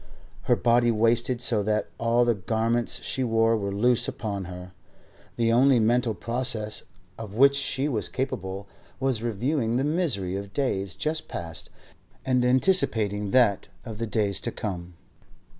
Her body wasted so that all the garments she wore were loose upon her. The only mental process of which she was capable was reviewing the misery of days just past and anticipating that of the days to come.